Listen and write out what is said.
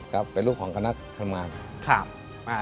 ครับเป็นรูปของคณะขณะมาร